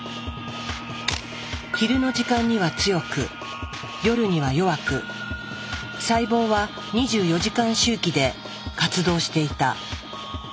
昼の時間には強く夜には弱く細胞は２４時間周期で活動していた。